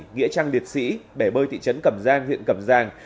nghĩa trang liệt sĩ bể bơi thị trấn cẩm giang huyện cầm giang